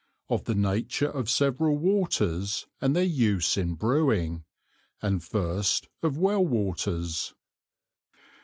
V. Of the Nature of several Waters and their use in Brewing. And first of Well waters.